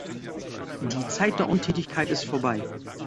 Die Zeit der Untätigkeit ist vorbei.